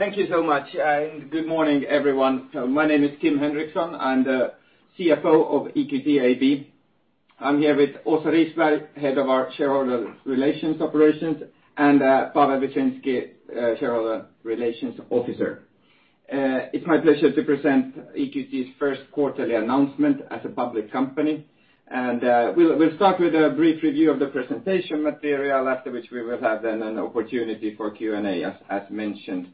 Thank you so much, good morning, everyone. My name is Kim Henriksson. I'm the CFO of EQT AB. I'm here with Åsa Riisberg, Head of our Shareholder Relations Operations, and Paweł Bączyński, Shareholder Relations Officer. It's my pleasure to present EQT's first quarterly announcement as a public company. We'll start with a brief review of the presentation material, after which we will have then an opportunity for Q&A, as mentioned.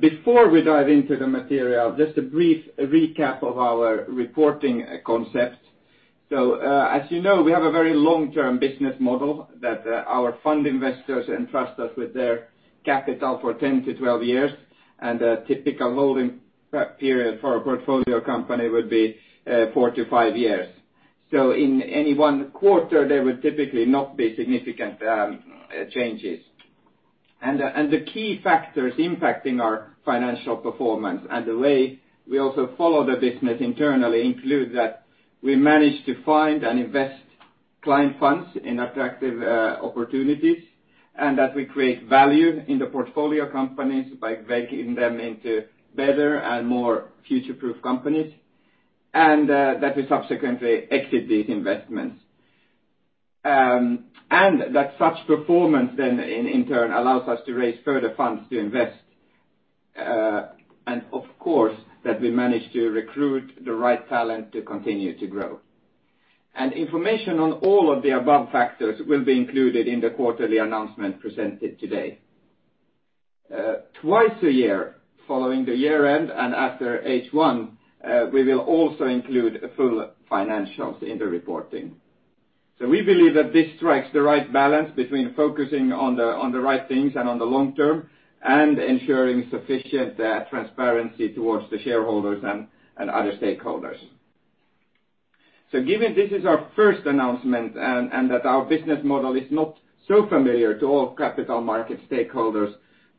Before we dive into the material, just a brief recap of our reporting concept. As you know, we have a very long-term business model that our fund investors entrust us with their capital for 10 to 12 years, and a typical holding period for a portfolio company would be four to five years. In any one quarter, there will typically not be significant changes. The key factors impacting our financial performance and the way we also follow the business internally include that we manage to find and invest client funds in attractive opportunities, and that we create value in the portfolio companies by making them into better and more future-proof companies, that we subsequently exit these investments, that such performance then in turn allows us to raise further funds to invest, and of course, that we manage to recruit the right talent to continue to grow. Information on all of the above factors will be included in the quarterly announcement presented today. Twice a year, following the year-end and after H1, we will also include full financials in the reporting. We believe that this strikes the right balance between focusing on the right things and on the long term, and ensuring sufficient transparency towards the shareholders and other stakeholders. Given this is our first announcement and that our business model is not so familiar to all capital market stakeholders,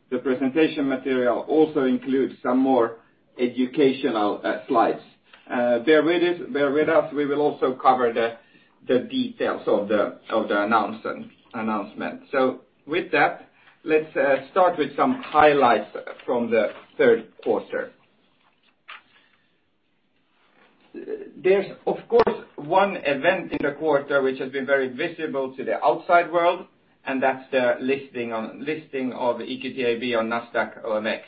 the presentation material also includes some more educational slides. Bear with us, we will also cover the details of the announcement. With that, let's start with some highlights from the third quarter. There's, of course, one event in the quarter which has been very visible to the outside world, and that's the listing of EQT AB on Nasdaq OMX.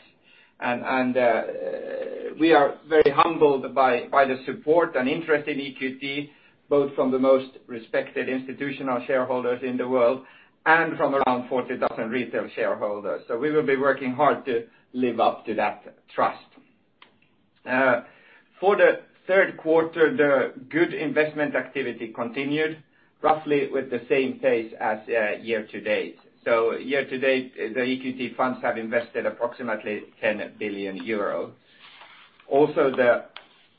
We are very humbled by the support and interest in EQT, both from the most respected institutional shareholders in the world and from around 40,000 retail shareholders. We will be working hard to live up to that trust. For the third quarter, the good investment activity continued, roughly with the same pace as year-to-date. Year-to-date, the EQT funds have invested approximately 10 billion euros. Also, the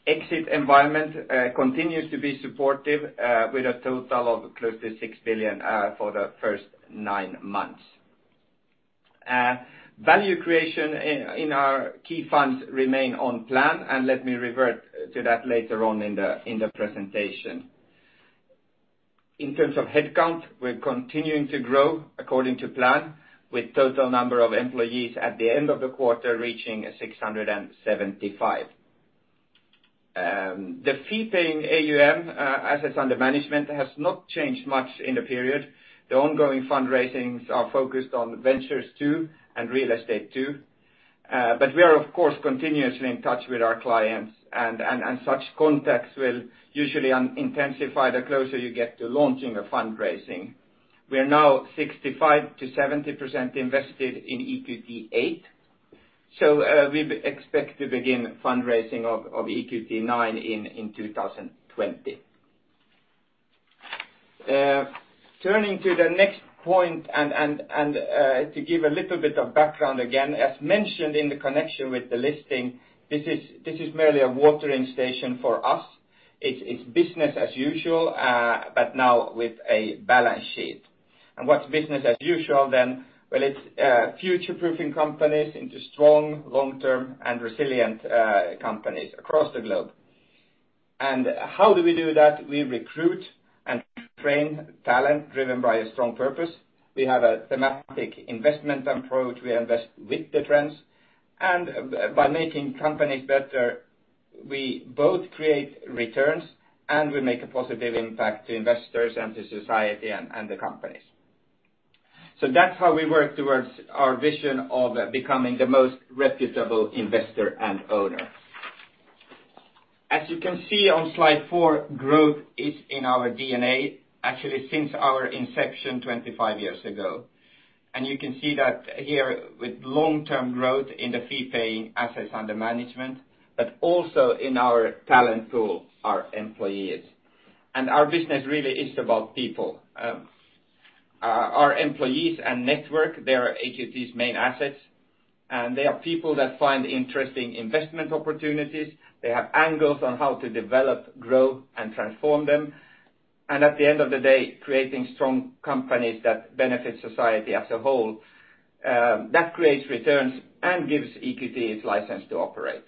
exit environment continues to be supportive with a total of close to 6 billion for the first nine months. Value creation in our key funds remain on plan, and let me revert to that later on in the presentation. In terms of headcount, we're continuing to grow according to plan, with total number of employees at the end of the quarter reaching 675. The fee-paying AUM, assets under management, has not changed much in the period. The ongoing fundraisings are focused on Ventures II and Real Estate II. We are, of course, continuously in touch with our clients, and such contacts will usually intensify the closer you get to launching a fundraising. We are now 65%-70% invested in EQT VIII. We expect to begin fundraising of EQT IX in 2020. Turning to the next point to give a little bit of background again, as mentioned in the connection with the listing, this is merely a watering station for us. It's business as usual, now with a balance sheet. What's business as usual then? Well, it's future-proofing companies into strong long-term and resilient companies across the globe. How do we do that? We recruit and train talent driven by a strong purpose. We have a thematic investment approach. We invest with the trends. By making companies better, we both create returns and we make a positive impact to investors and to society and the companies. That's how we work towards our vision of becoming the most reputable investor and owner. As you can see on slide four, growth is in our DNA, actually since our inception 25 years ago. You can see that here with long-term growth in the fee-paying assets under management, but also in our talent pool, our employees. Our employees and network, they are EQT's main assets, and they are people that find interesting investment opportunities. They have angles on how to develop, grow, and transform them. At the end of the day, creating strong companies that benefit society as a whole, that creates returns and gives EQT its license to operate.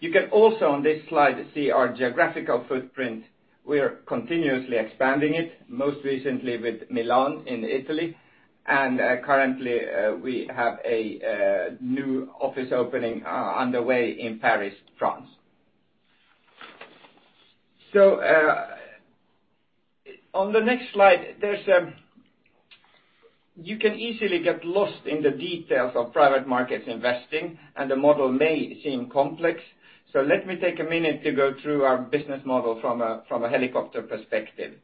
You can also on this slide see our geographical footprint. We are continuously expanding it, most recently with Milan in Italy, and currently we have a new office opening underway in Paris, France. On the next slide, you can easily get lost in the details of private markets investing, and the model may seem complex. Let me take a minute to go through our business model from a helicopter perspective.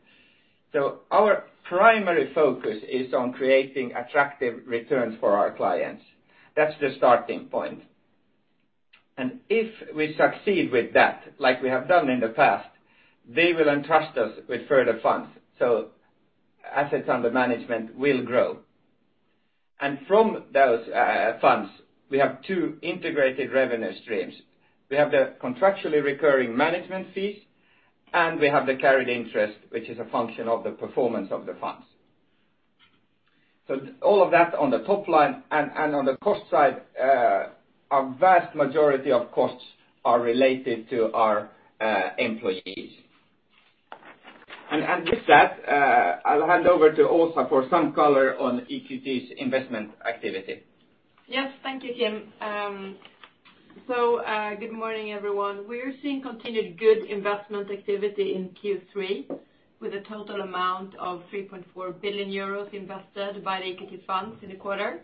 Our primary focus is on creating attractive returns for our clients. That's the starting point. If we succeed with that, like we have done in the past, they will entrust us with further funds, so assets under management will grow. From those funds, we have two integrated revenue streams. We have the contractually recurring management fees, and we have the carried interest, which is a function of the performance of the funds. All of that on the top line and on the cost side, a vast majority of costs are related to our employees. With that, I'll hand over to Åsa for some color on EQT's investment activity. Yes. Thank you, Kim. Good morning, everyone. We're seeing continued good investment activity in Q3 with a total amount of 3.4 billion euros invested by the EQT funds in the quarter.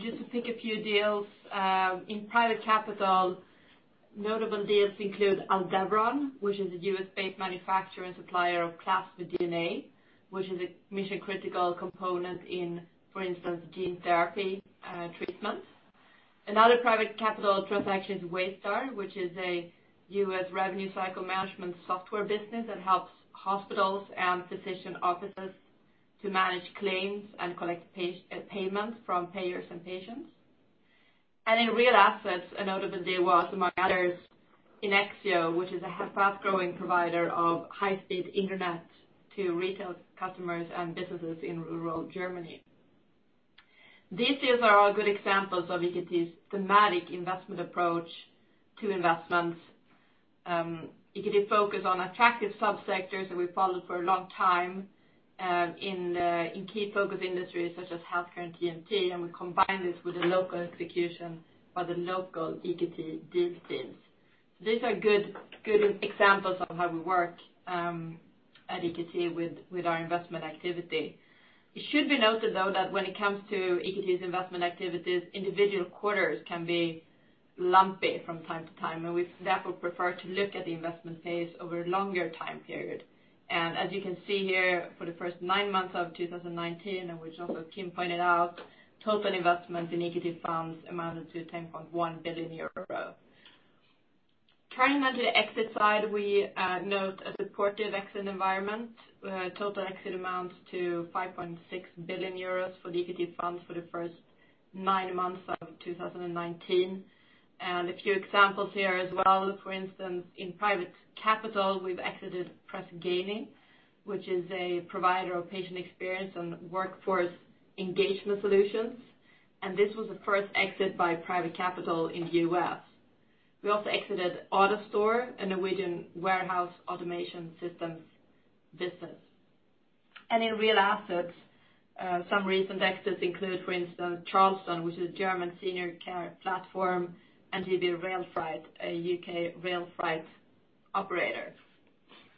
Just to pick a few deals, in private capital, notable deals include Aldevron, which is a U.S.-based manufacturer and supplier of plasmid DNA, which is a mission-critical component in, for instance, gene therapy treatments. Another private capital transaction is Waystar, which is a U.S. revenue cycle management software business that helps hospitals and physician offices to manage claims and collect payments from payers and patients. In real assets, a notable deal was, among others, inexio, which is a fast-growing provider of high-speed internet to retail customers and businesses in rural Germany. These deals are all good examples of EQT's thematic investment approach to investments. EQT focus on attractive sub-sectors that we followed for a long time in key focus industries such as healthcare and TMT. We combine this with the local execution by the local EQT deal teams. These are good examples of how we work at EQT with our investment activity. It should be noted, though, that when it comes to EQT's investment activities, individual quarters can be lumpy from time to time. We therefore prefer to look at the investment pace over a longer time period. As you can see here, for the first nine months of 2019, and which also Kim pointed out, total investment in EQT funds amounted to 10.1 billion euro. Turning now to the exit side, we note a supportive exit environment. Total exit amounts to 5.6 billion euros for the EQT funds for the first nine months of 2019. A few examples here as well. For instance, in private capital, we've exited Press Ganey, which is a provider of patient experience and workforce engagement solutions. This was the first exit by private capital in the U.S. We also exited AutoStore, a Norwegian warehouse automation systems business. In real assets some recent exits include, for instance, Charleston, which is a German senior care platform, and GB Railfreight, a U.K. rail freight operator.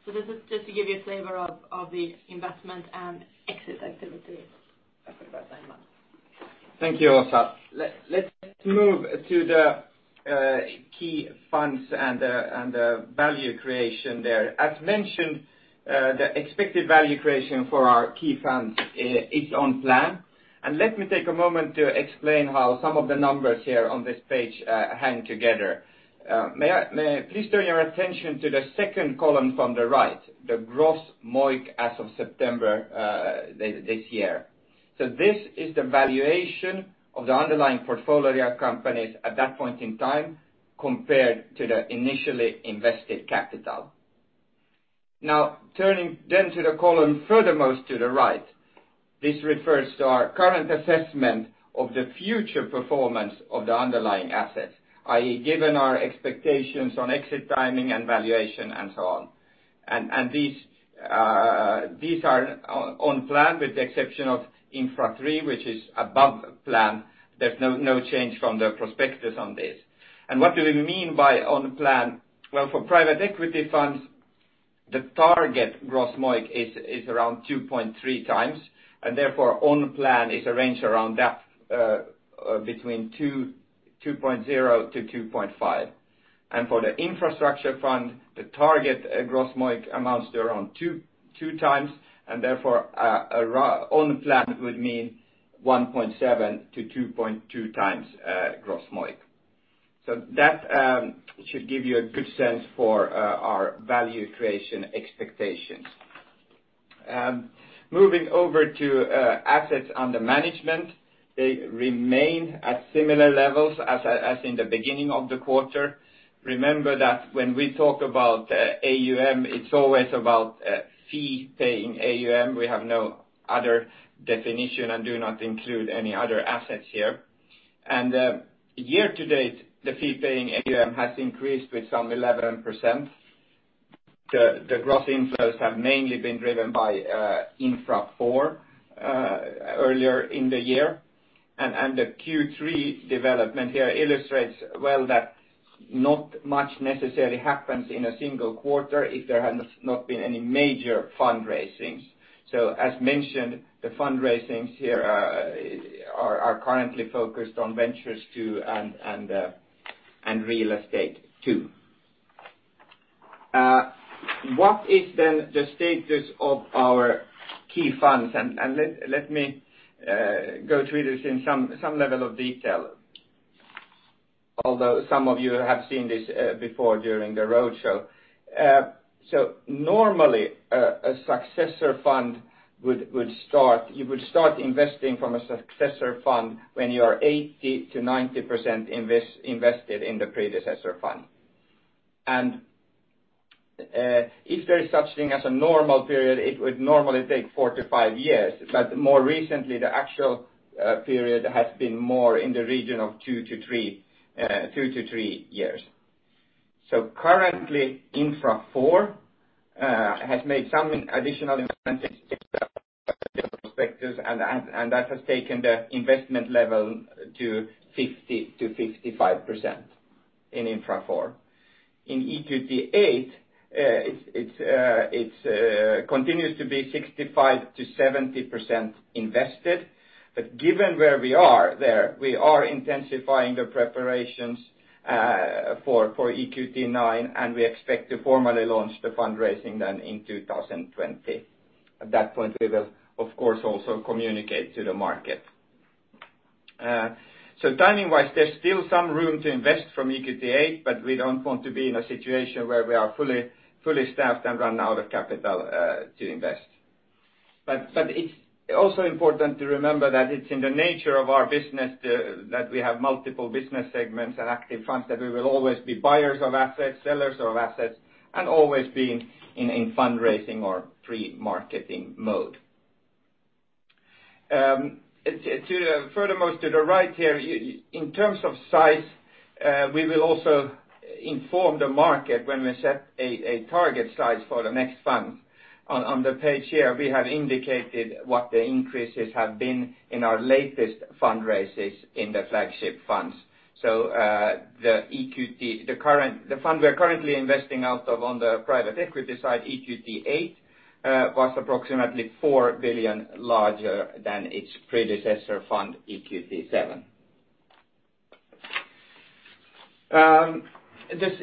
This is just to give you a flavor of the investment and exit activity for the past nine months. Thank you, Åsa. Let's move to the key funds and the value creation there. As mentioned, the expected value creation for our key funds is on plan. Let me take a moment to explain how some of the numbers here on this page hang together. Please turn your attention to the second column from the right, the gross MOIC as of September this year. This is the valuation of the underlying portfolio companies at that point in time compared to the initially invested capital. Turning to the column furthermost to the right. This refers to our current assessment of the future performance of the underlying assets, i.e., given our expectations on exit timing and valuation and so on. These are on plan with the exception of Infra III, which is above plan. There is no change from the prospectus on this. What do we mean by on plan? Well, for private equity funds, the target gross MOIC is around 2.3x, and therefore on plan is a range around that between 2.0x-2.5x. For the infrastructure fund, the target gross MOIC amounts to around 2x, and therefore on plan would mean 1.7x-2.2x gross MOIC. That should give you a good sense for our value creation expectations. Moving over to assets under management. They remain at similar levels as in the beginning of the quarter. Remember that when we talk about AUM, it's always about fee-paying AUM. We have no other definition and do not include any other assets here. Year to date, the fee-paying AUM has increased with some 11%. The gross inflows have mainly been driven by Infra IV earlier in the year. The Q3 development here illustrates well that not much necessarily happens in a single quarter if there had not been any major fundraisings. As mentioned, the fundraisings here are currently focused on Ventures II and Real Estate II. What is then the status of our key funds? Let me go through this in some level of detail. Although some of you have seen this before during the roadshow. Normally, you would start investing from a successor fund when you are 80%-90% invested in the predecessor fund. If there is such thing as a normal period, it would normally take four to five years, but more recently, the actual period has been more in the region of two to three years. Currently, Infra IV has made some additional investments and that has taken the investment level to 50%-55% in Infra IV. In EQT VIII, it continues to be 65%-70% invested. Given where we are there, we are intensifying the preparations for EQT IX, and we expect to formally launch the fundraising then in 2020. At that point, we will of course also communicate to the market. Timing-wise, there's still some room to invest from EQT VIII, but we don't want to be in a situation where we are fully staffed and run out of capital to invest. It's also important to remember that it's in the nature of our business that we have multiple business segments and active funds, that we will always be buyers of assets, sellers of assets, and always be in fundraising or pre-marketing mode. Furthermore, to the right here, in terms of size, we will also inform the market when we set a target size for the next fund. On the page here, we have indicated what the increases have been in our latest fundraises in the flagship funds. The fund we are currently investing out of on the private equity side, EQT VIII, was approximately 4 billion larger than its predecessor fund, EQT VII. Just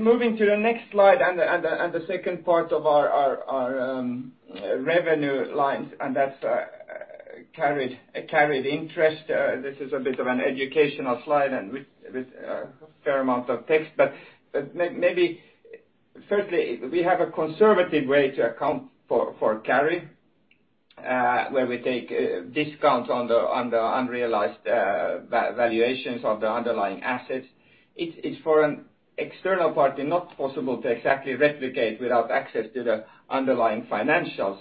moving to the next slide and the second part of our revenue lines, and that's carried interest. This is a bit of an educational slide and with a fair amount of text. Maybe firstly, we have a conservative way to account for carry, where we take discounts on the unrealized valuations of the underlying assets. It's, for an external party, not possible to exactly replicate without access to the underlying financials.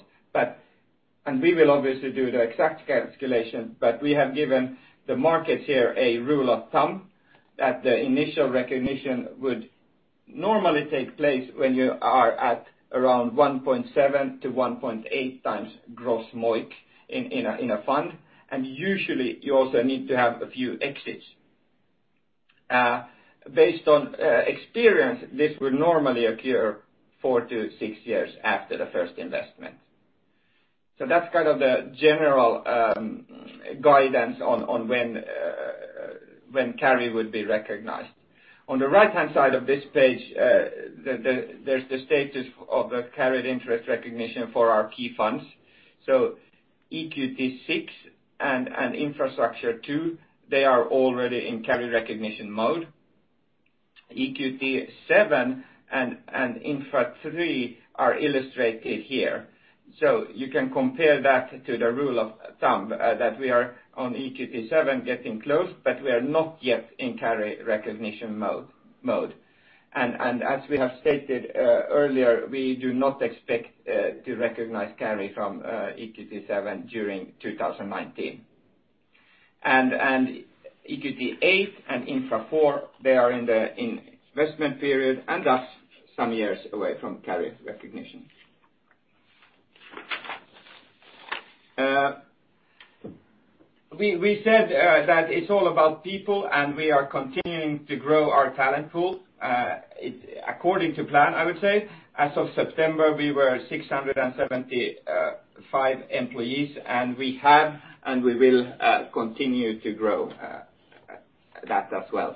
We will obviously do the exact calculation, but we have given the markets here a rule of thumb that the initial recognition would normally take place when you are at around 1.7x-1.8x gross MOIC in a fund. Usually, you also need to have a few exits. Based on experience, this would normally occur four to six years after the first investment. That's kind of the general guidance on when carry would be recognized. On the right-hand side of this page, there's the status of the carried interest recognition for our key funds. EQT VI and Infrastructure II, they are already in carry recognition mode. EQT VII and Infra III are illustrated here. You can compare that to the rule of thumb that we are on EQT VII getting close, but we are not yet in carry recognition mode. As we have stated earlier, we do not expect to recognize carry from EQT VII during 2019. EQT VIII and Infra IV, they are in the investment period and thus some years away from carry recognition. We said that it's all about people, and we are continuing to grow our talent pool according to plan, I would say. As of September, we were 675 employees, and we have and we will continue to grow that as well.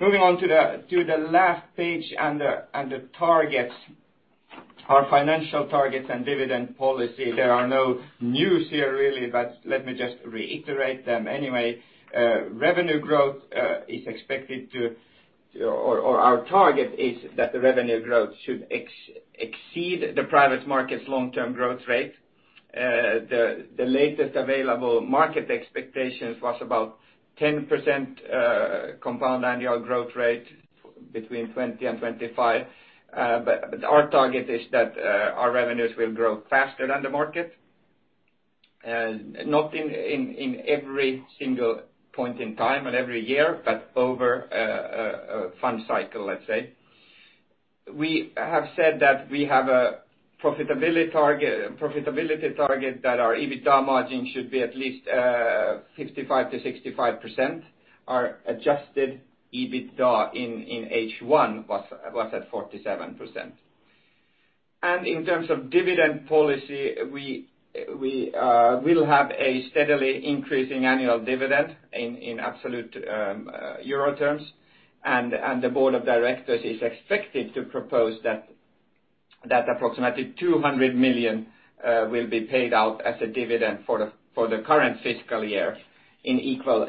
Moving on to the last page and the targets, our financial targets and dividend policy. There are no news here, really, but let me just reiterate them anyway. Our target is that the revenue growth should exceed the private market's long-term growth rate. The latest available market expectations was about 10% compound annual growth rate between 2020 and 2025. Our target is that our revenues will grow faster than the market. Not in every single point in time and every year, but over a fund cycle, let's say. We have said that we have a profitability target that our EBITDA margin should be at least 55%-65%. Our adjusted EBITDA in H1 was at 47%. In terms of dividend policy, we will have a steadily increasing annual dividend in absolute euro terms. The board of directors is expected to propose that approximately 200 million will be paid out as a dividend for the current fiscal year in equal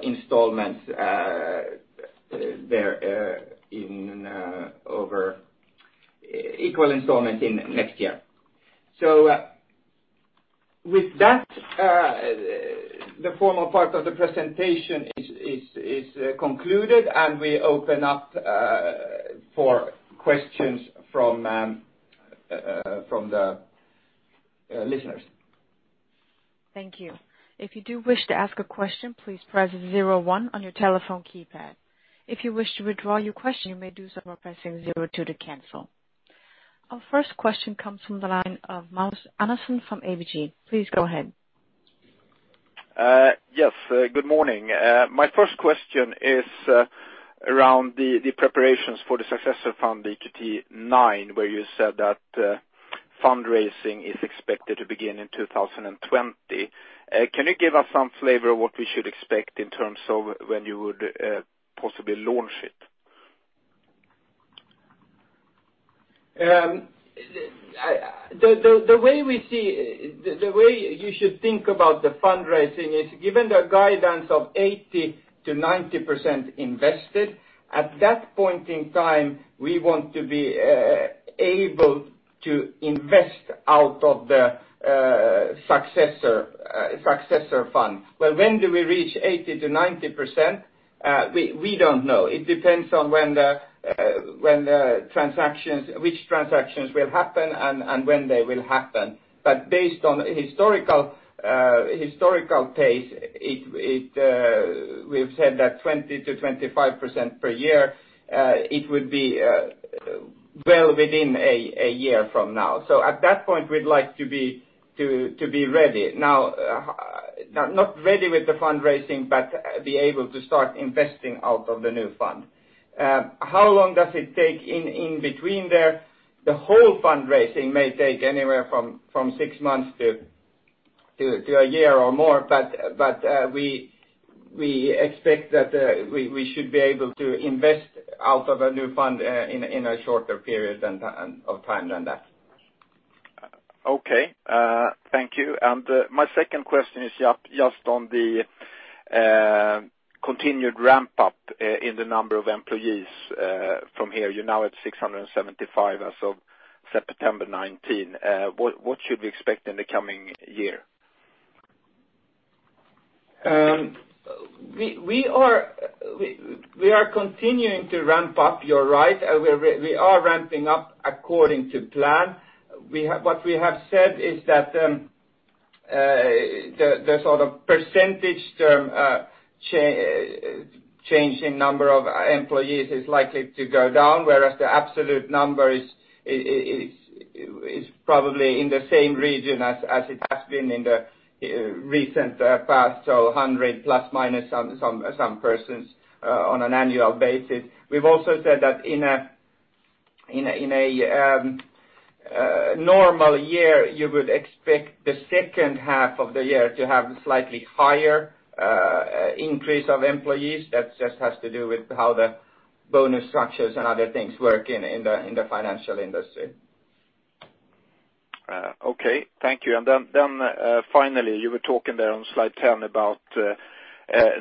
installments in next year. With that, the formal part of the presentation is concluded, and we open up for questions from the listeners. Thank you. If you do wish to ask a question, please press 01 on your telephone keypad. If you wish to withdraw your question, you may do so by pressing 02 to cancel. Our first question comes from the line of Magnus Andersson from ABG. Please go ahead. Yes. Good morning. My first question is around the preparations for the successor fund, EQT IX, where you said that fundraising is expected to begin in 2020. Can you give us some flavor of what we should expect in terms of when you would possibly launch it? The way you should think about the fundraising is given the guidance of 80%-90% invested, at that point in time, we want to be able to invest out of the successor fund. Well, when do we reach 80%-90%? We don't know. It depends on which transactions will happen and when they will happen. Based on historical pace, we've said that 20%-25% per year, it would be well within one year from now. At that point, we'd like to be ready. Not ready with the fundraising, but be able to start investing out of the new fund. How long does it take in between there? The whole fundraising may take anywhere from 6 months to one year or more, but we expect that we should be able to invest out of a new fund in a shorter period of time than that. Okay. Thank you. My second question is just on the continued ramp up in the number of employees from here. You're now at 675 as of September 19. What should we expect in the coming year? We are continuing to ramp up, you're right. We are ramping up according to plan. What we have said is that the percentage change in number of employees is likely to go down, whereas the absolute number is probably in the same region as it has been in the recent past, so 100 plus, minus some persons on an annual basis. We've also said that in a normal year, you would expect the second half of the year to have a slightly higher increase of employees. That just has to do with how the bonus structures and other things work in the financial industry. Okay. Thank you. Finally, you were talking there on slide 10 about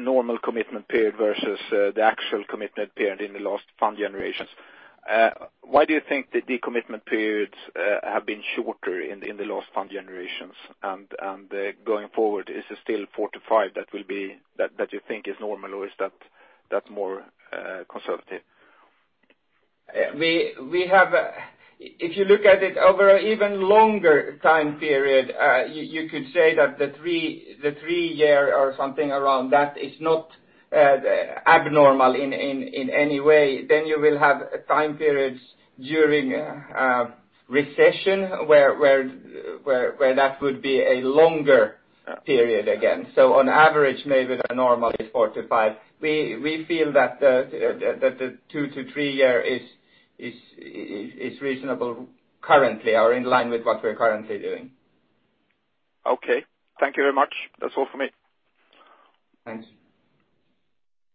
normal commitment period versus the actual commitment period in the last fund generations. Why do you think the commitment periods have been shorter in the last fund generations? Going forward, is it still four to five that you think is normal or is that more conservative? If you look at it over an even longer time period, you could say that the three year or something around that is not abnormal in any way. You will have time periods during recession where that would be a longer period again. On average, maybe the normal is four to five. We feel that the two to three year is reasonable currently, or in line with what we're currently doing. Okay. Thank you very much. That's all for me.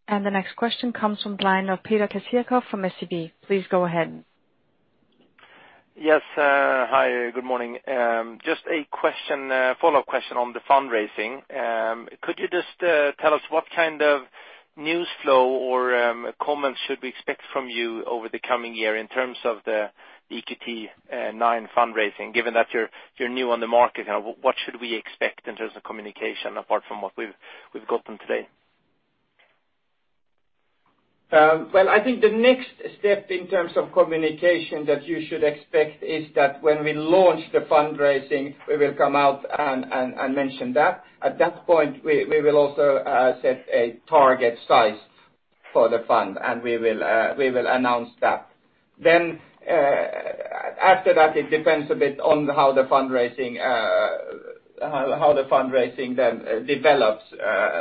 Thanks. The next question comes from the line of Peter Kessiakoff from SEB. Please go ahead. Yes. Hi, good morning. Just a follow-up question on the fundraising. Could you just tell us what kind of news flow or comments should we expect from you over the coming year in terms of the EQT IX fundraising, given that you're new on the market now? What should we expect in terms of communication apart from what we've gotten today? Well, I think the next step in terms of communication that you should expect is that when we launch the fundraising, we will come out and mention that. At that point, we will also set a target size for the fund, and we will announce that. After that, it depends a bit on how the fundraising then develops,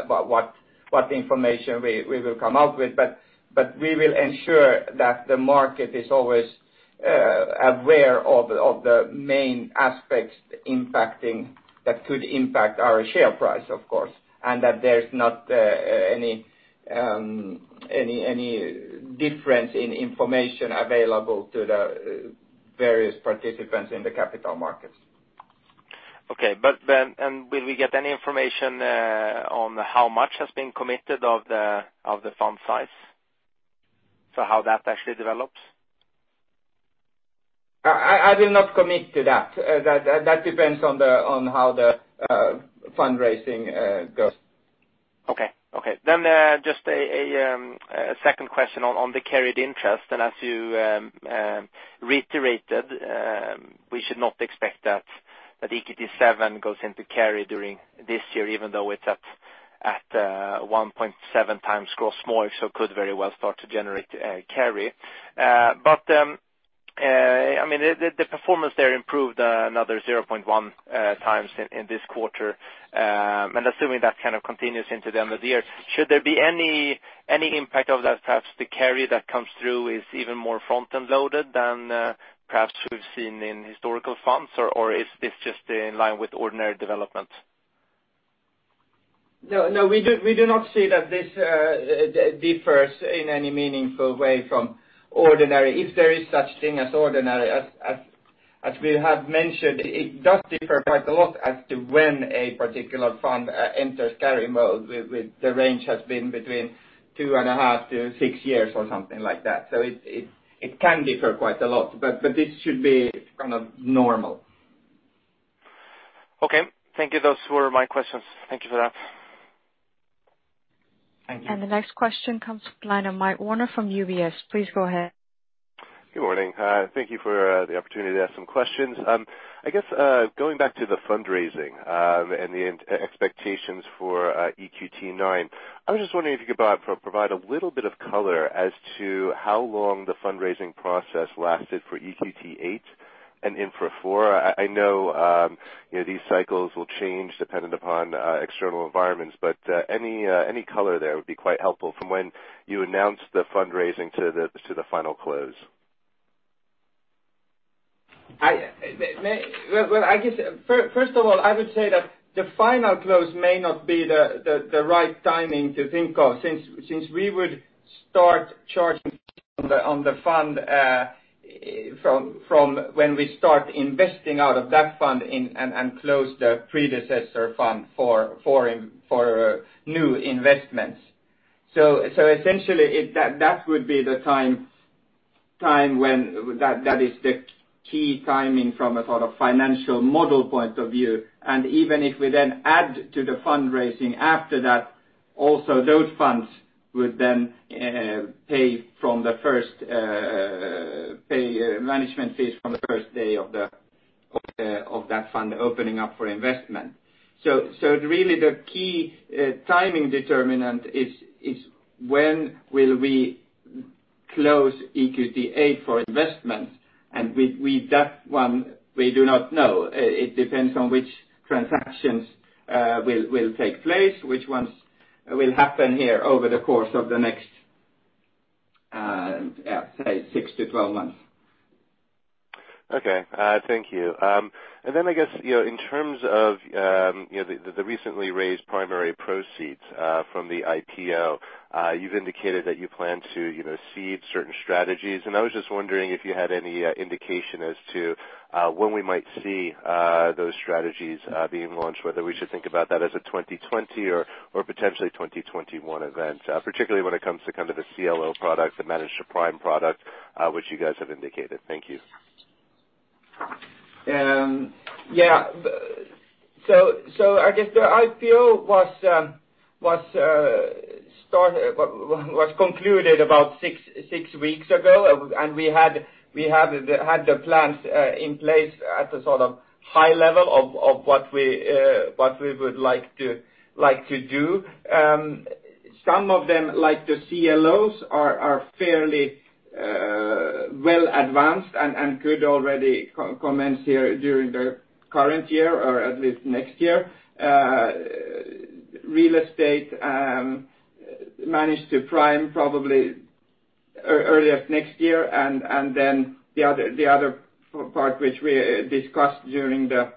about what information we will come out with. We will ensure that the market is always aware of the main aspects that could impact our share price, of course, and that there's not any difference in information available to the various participants in the capital markets. Okay. Will we get any information on how much has been committed of the fund size? How that actually develops? I will not commit to that. That depends on how the fundraising goes. Okay. Just a second question on the carried interest, and as you reiterated we should not expect that EQT VII goes into carry during this year, even though it's at 1.7x gross MOIC, so it could very well start to generate carry. The performance there improved another 0.1x in this quarter. Assuming that kind of continues into the end of the year, should there be any impact of that? Perhaps the carry that comes through is even more front-end loaded than perhaps we've seen in historical funds? Is this just in line with ordinary development? No, we do not see that this differs in any meaningful way from ordinary, if there is such thing as ordinary. As we have mentioned, it does differ quite a lot as to when a particular fund enters carry mode. The range has been between 2.5-6 years, or something like that. It can differ quite a lot. This should be kind of normal. Okay, thank you. Those were my questions. Thank you for that. Thank you. The next question comes from the line of Michael Werner from UBS. Please go ahead. Good morning. Thank you for the opportunity to ask some questions. I guess, going back to the fundraising and the expectations for EQT IX, I was just wondering if you could provide a little bit of color as to how long the fundraising process lasted for EQT VIII and Infra IV. Any color there would be quite helpful from when you announced the fundraising to the final close. Well, I guess, first of all, I would say that the final close may not be the right timing to think of, since we would start charging on the fund from when we start investing out of that fund and close the predecessor fund for new investments. Essentially, that is the key timing from a sort of financial model point of view. Even if we then add to the fundraising after that, also those funds would then pay management fees from the first day of that fund opening up for investment. Really the key timing determinant is when will we close EQT VIII for investment, and with that one, we do not know. It depends on which transactions will take place, which ones will happen here over the course of the next, say, 6-12 months. Okay. Thank you. I guess, in terms of the recently raised primary proceeds from the IPO, you've indicated that you plan to seed certain strategies. I was just wondering if you had any indication as to when we might see those strategies being launched, whether we should think about that as a 2020 or potentially 2021 event, particularly when it comes to kind of the CLO product, the managed to prime product which you guys have indicated. Thank you. I guess the IPO was concluded about 6 weeks ago, and we had the plans in place at a sort of high level of what we would like to do. Some of them, like the CLOs, are fairly well advanced and could already commence here during the current year or at least next year. Real estate managed to prime probably earliest next year. The other part which we discussed during the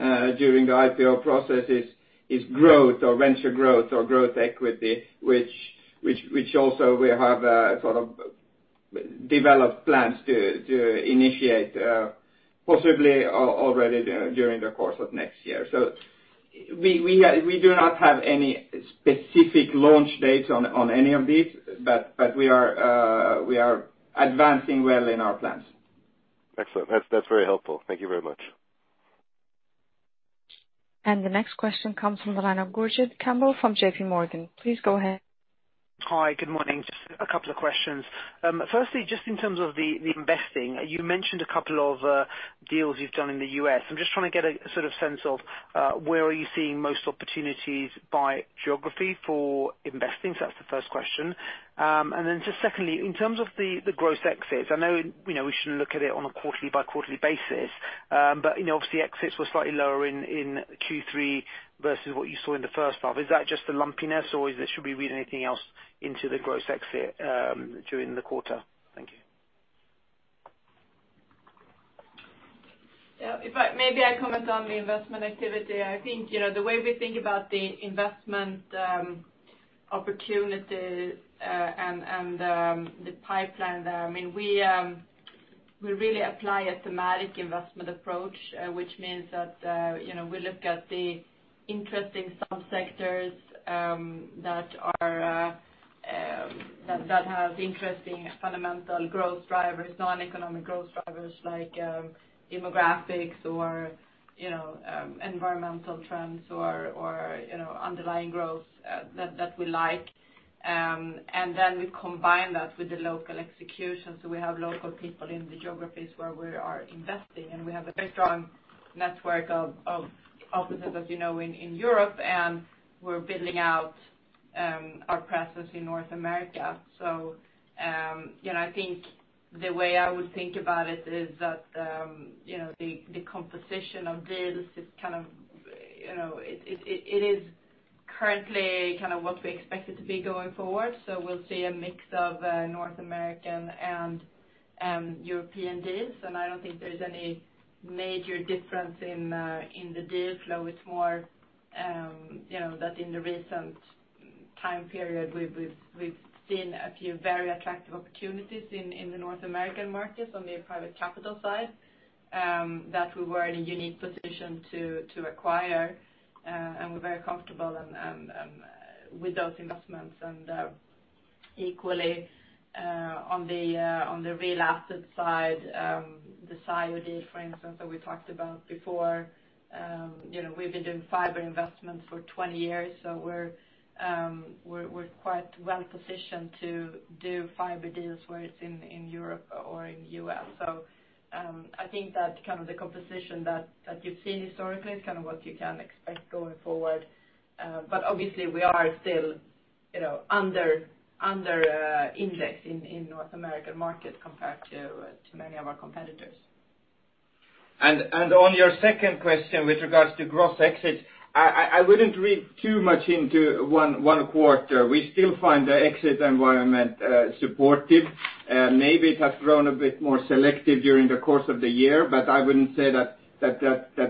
IPO process is growth or venture growth or growth equity, which also we have sort of developed plans to initiate possibly already during the course of next year. We do not have any specific launch dates on any of these, but we are advancing well in our plans. Excellent. That's very helpful. Thank you very much. The next question comes from the line of Gurjit Kambo from JP Morgan. Please go ahead. Hi, good morning. Just a couple of questions. Firstly, just in terms of the investing, you mentioned a couple of deals you've done in the U.S. I'm just trying to get a sense of where are you seeing most opportunities by geography for investing. That's the first question. Secondly, in terms of the gross exits, I know we shouldn't look at it on a quarterly by quarterly basis. Obviously exits were slightly lower in Q3 versus what you saw in the first half. Is that just the lumpiness or should we read anything else into the gross exit during the quarter? Thank you. Yeah. Maybe I comment on the investment activity. I think, the way we think about the investment opportunity and the pipeline there, we really apply a thematic investment approach, which means that we look at the interesting sub-sectors that have interesting fundamental growth drivers, non-economic growth drivers like demographics or environmental trends or underlying growth that we like. We combine that with the local execution. We have local people in the geographies where we are investing, and we have a very strong network of offices as you know, in Europe, and we're building out our presence in North America. I think the way I would think about it is that the composition of deals is currently what we expect it to be going forward. We'll see a mix of North American and European deals, and I don't think there's any major difference in the deal flow. It's more that in the recent time period, we've seen a few very attractive opportunities in the North American markets on the private capital side, that we were in a unique position to acquire, and we're very comfortable with those investments. Equally, on the real asset side, the Psy deal, for instance, that we talked about before, we've been doing fiber investments for 20 years, so we're quite well-positioned to do fiber deals whether it's in Europe or in U.S. I think that the composition that you've seen historically is what you can expect going forward. Obviously we are still under-indexed in North American market compared to many of our competitors. On your second question with regards to gross exits, I wouldn't read too much into one quarter. We still find the exit environment supportive. Maybe it has grown a bit more selective during the course of the year. I wouldn't say that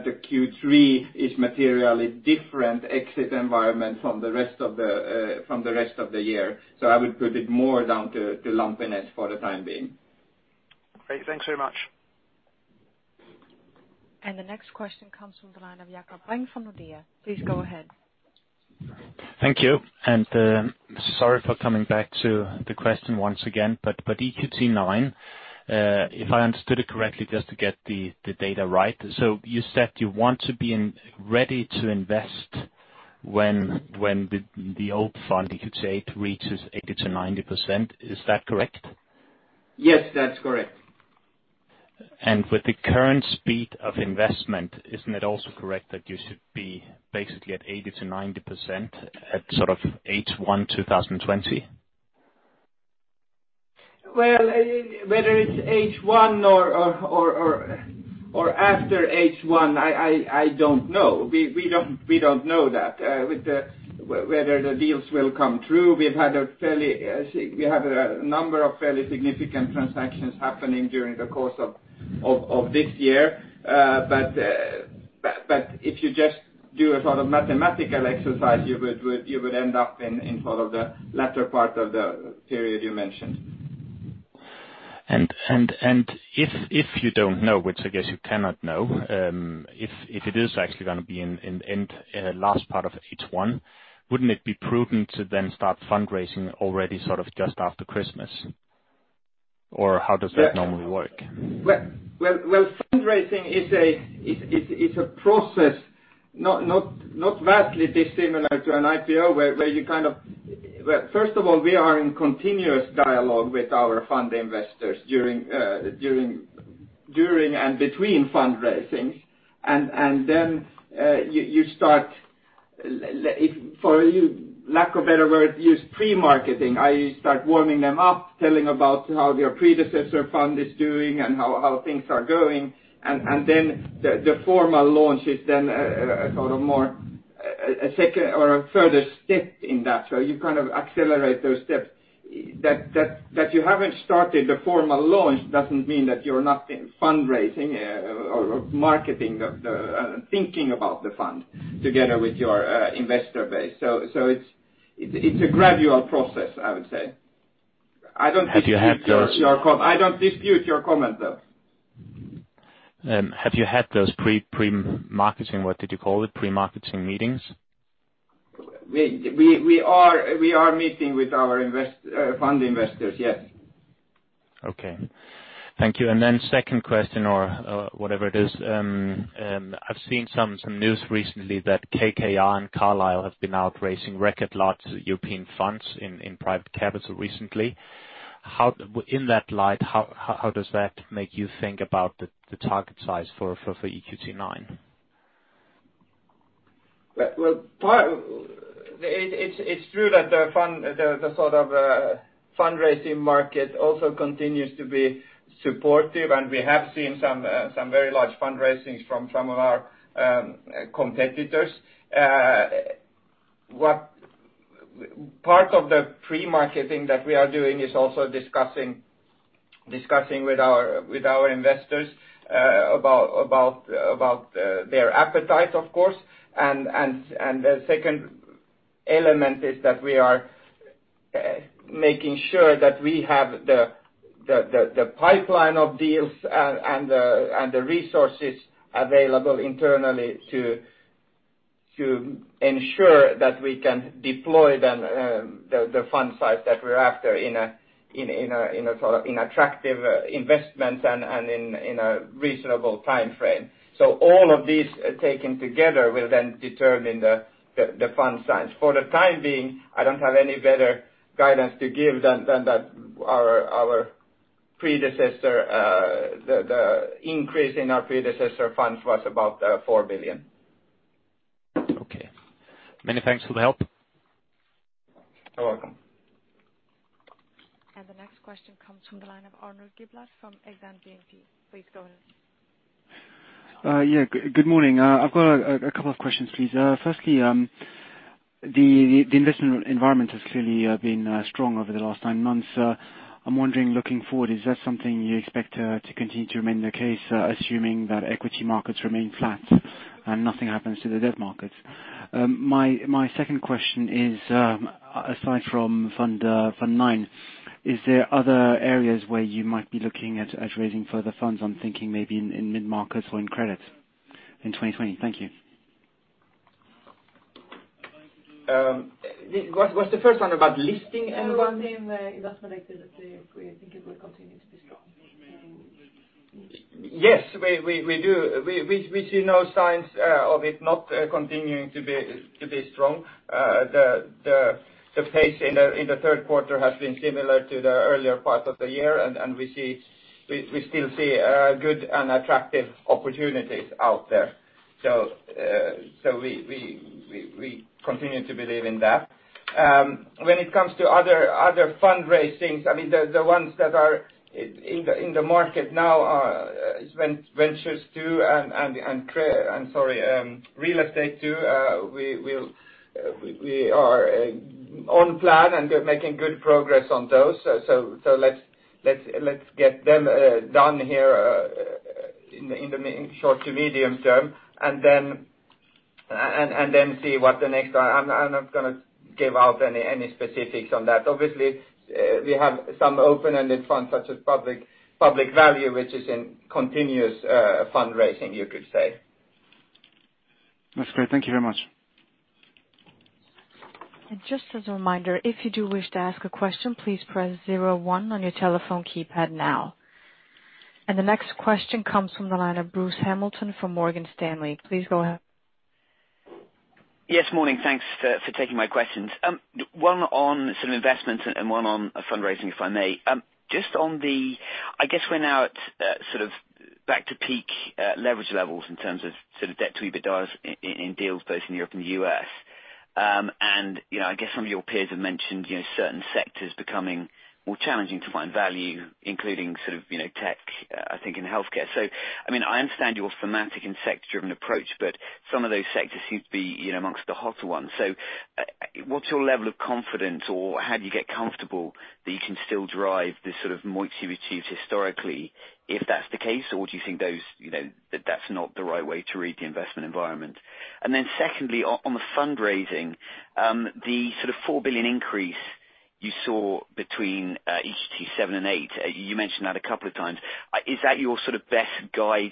the Q3 is materially different exit environment from the rest of the year. I would put it more down to lumpiness for the time being. Great. Thanks very much. The next question comes from the line of Jakob Brink from Nordea. Please go ahead. Thank you. Sorry for coming back to the question once again, but EQT IX, if I understood it correctly, just to get the data right. You said you want to be ready to invest when the old fund, EQT VIII, reaches 80%-90%, is that correct? Yes, that's correct. With the current speed of investment, isn't it also correct that you should be basically at 80% to 90% at H1 2020? Well, whether it's H1 or after H1, I don't know. We don't know that, whether the deals will come true. We have a number of fairly significant transactions happening during the course of this year. If you just do a sort of mathematical exercise, you would end up in the latter part of the period you mentioned. If you don't know, which I guess you cannot know, if it is actually going to be in last part of H1, wouldn't it be prudent to then start fundraising already just after Christmas? How does that normally work? Well, fundraising is a process, not vastly dissimilar to an IPO, where, first of all, we are in continuous dialogue with our fund investors during and between fundraising. You start, for lack of better word, use pre-marketing, i.e., start warming them up, telling about how their predecessor fund is doing and how things are going. The formal launch is a sort of more a second or a further step in that. You kind of accelerate those steps. That you haven't started the formal launch doesn't mean that you're not fundraising or marketing or thinking about the fund together with your investor base. It's a gradual process, I would say. I don't dispute your comment, though. Have you had those pre-marketing, what did you call it, pre-marketing meetings? We are meeting with our fund investors, yes. Okay. Thank you. Second question or whatever it is. I've seen some news recently that KKR and Carlyle have been out raising record large European funds in private capital recently. In that light, how does that make you think about the target size for EQT IX? Well, it's true that the fundraising market also continues to be supportive, and we have seen some very large fundraisings from some of our competitors. Part of the pre-marketing that we are doing is also discussing with our investors about their appetite, of course and the second element is that we are making sure that we have the pipeline of deals and the resources available internally to ensure that we can deploy the fund size that we're after in attractive investments and in a reasonable timeframe. All of these taken together will then determine the fund size. For the time being, I don't have any better guidance to give than the increase in our predecessor fund was about 4 billion. Okay. Many thanks for the help. You're welcome. The next question comes from the line of Arnaud Giblat from Exane BNP. Please go ahead. Good morning. I've got a couple of questions, please. Firstly, the investment environment has clearly been strong over the last nine months. I'm wondering, looking forward, is that something you expect to continue to remain the case, assuming that equity markets remain flat and nothing happens to the debt markets? My second question is, aside from fund nine, is there other areas where you might be looking at raising further funds? I'm thinking maybe in mid-markets or in credit in 2020. Thank you. Was the first one about listing? No, him asking like if we think it will continue to be strong. Yes, we do. We see no signs of it not continuing to be strong. The pace in the third quarter has been similar to the earlier part of the year, and we still see good and attractive opportunities out there. We continue to believe in that. When it comes to other fundraisings, I mean, the ones that are in the market now are Ventures II and Real Estate II. We are on plan, and we're making good progress on those. Let's get them done here in the short to medium term. Then see what the next one. I'm not going to give out any specifics on that. Obviously, we have some open-ended funds such as Public Value, which is in continuous fundraising, you could say. That's great. Thank you very much. Just as a reminder, if you do wish to ask a question, please press 01 on your telephone keypad now. The next question comes from the line of Bruce Hamilton from Morgan Stanley. Please go ahead. Yes, morning. Thanks for taking my questions. One on some investments and one on fundraising, if I may. I guess we're now at sort of back to peak leverage levels in terms of sort of debt to EBITDA in deals both in Europe and the U.S. I guess some of your peers have mentioned certain sectors becoming more challenging to find value, including sort of tech, I think in healthcare. I mean, I understand your thematic and sector-driven approach, but some of those sectors seem to be amongst the hotter ones. What's your level of confidence, or how do you get comfortable that you can still drive the sort of MOIC you achieved historically if that's the case? Do you think that's not the right way to read the investment environment? Secondly, on the fundraising, the sort of 4 billion increase you saw between EQT VII and VIII, you mentioned that a couple of times. Are you trying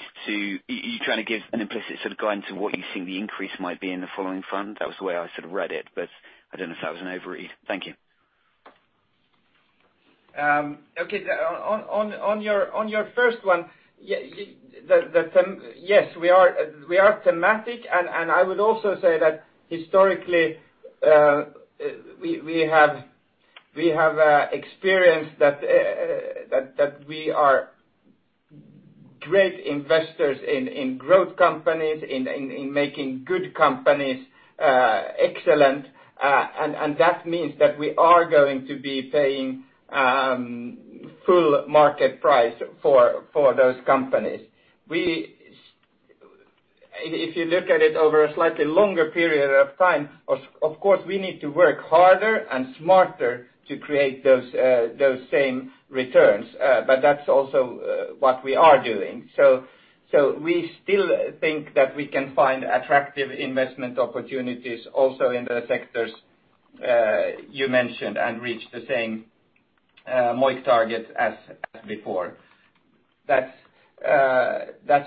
to give an implicit sort of guide into what you think the increase might be in the following fund? That was the way I sort of read it, but I don't know if that was an overread. Thank you. Okay. On your first one. Yes, we are thematic, and I would also say that historically, we have experience that we are great investors in growth companies, in making good companies excellent. That means that we are going to be paying full market price for those companies. If you look at it over a slightly longer period of time, of course, we need to work harder and smarter to create those same returns. That's also what we are doing. We still think that we can find attractive investment opportunities also in the sectors you mentioned and reach the same MOIC target as before. That's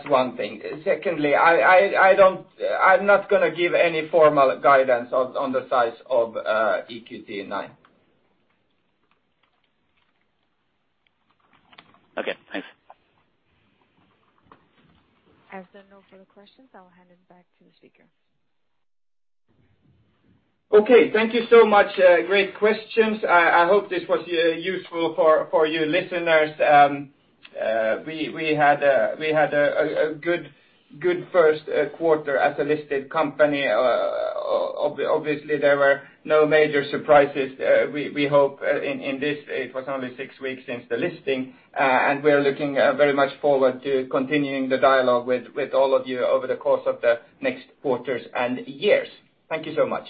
one thing. Secondly, I'm not going to give any formal guidance on the size of EQT IX. Okay, thanks. As there are no further questions, I'll hand it back to the speaker. Okay. Thank you so much. Great questions. I hope this was useful for you listeners. We had a good first quarter as a listed company. Obviously, there were no major surprises. We hope in this it was only six weeks since the listing. We are looking very much forward to continuing the dialogue with all of you over the course of the next quarters and years. Thank you so much.